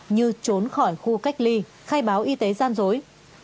như trốn khỏi khu cách ly khai báo y tế gian dối